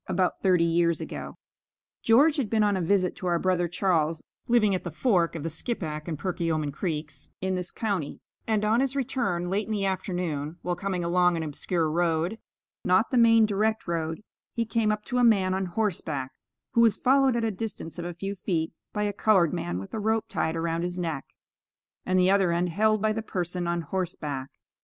(About thirty years ago.) George had been on a visit to our brother Charles, living at the fork of the Skippack and Perkiomen Creeks, in this county, and on his return, late in the afternoon, while coming along an obscure road, not the main direct road, he came up to a man on horseback, who was followed at a distance of a few feet by a colored man with a rope tied around his neck, and the other end held by the person on horseback.